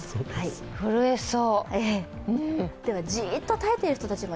震えそう。